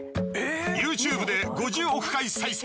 ＹｏｕＴｕｂｅで５０億回再生。